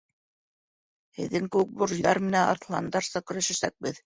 Һеҙҙең кеүек буржуйҙар менән арыҫландарса көрәшәсәкбеҙ.